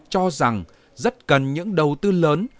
cho rằng rất cần những đầu tư lớn